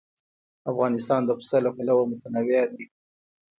افغانستان د پسه له پلوه متنوع دی.